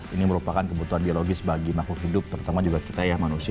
ini merupakan kebutuhan biologis bagi makhluk hidup terutama juga kita ya manusia